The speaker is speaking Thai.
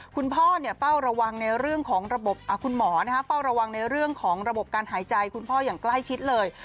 คุณหมอเป้าระวังในเรื่องของระบบการหายใจคุณพ่ออย่างใกล้ชิดเลย